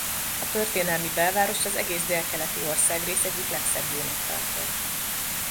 A történelmi belvárost az egész délkeleti országrész egyik legszebbjének tartják.